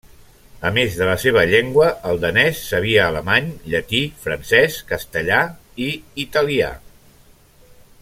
A més de la seva llengua, el danès, sabia alemany, llatí, francès, castellà i italià.